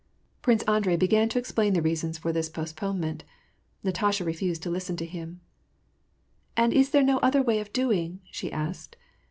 " Prince Andrei began to explain the reasons for this post ponement. Natasha refused to listen to him. " And is there no other way of doing ?" she asked.